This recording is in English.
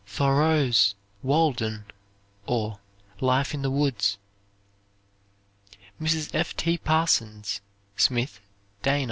Thoreau's "Walden; or Life in the Woods." Mrs. F. T. Parsons' (Smith) Dana.